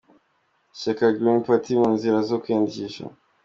Ishyaka Greni pati mu nzira zo kwiyandikisha